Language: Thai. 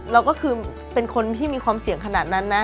เราก็คือเป็นคนที่มีความเสี่ยงขนาดนั้นนะ